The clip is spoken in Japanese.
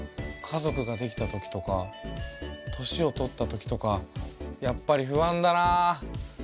家族ができたときとか年を取ったときとかやっぱり不安だなあ。